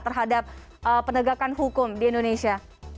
terhadap penegakan hukum di indonesia